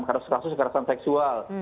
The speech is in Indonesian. kasus kekerasan seksual